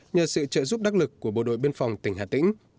nhờ sự trợ giúp đắc lực của bộ đội biên phòng tỉnh hà tĩnh